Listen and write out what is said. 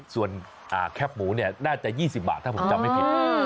ส่วนแคปหมูเนี่ยน่าจะ๒๐บาทถ้าผมจำไม่ผิด